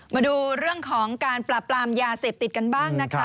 มาดูเรื่องของการปราบปรามยาเสพติดกันบ้างนะคะ